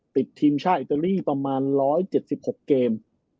ติดทีมชาติอิตาลีประมาณ๑๗๖เกม